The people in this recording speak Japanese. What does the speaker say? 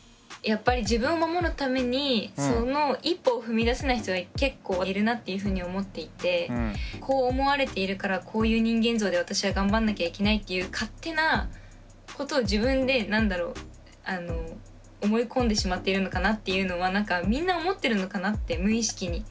まあそういう人が結構いるなっていうふうに思っていてこう思われているからこういう人間像で私は頑張んなきゃいけないっていう勝手なことを自分で何だろう思い込んでしまっているのかなっていうのはみんな思ってるのかなって無意識に。